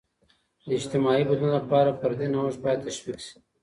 د اجتماعي بدلون لپاره، فردي نوښت باید تشویق سي.